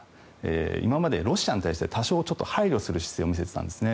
今まで、ロシアに対して多少、配慮する姿勢を見せていたんですね。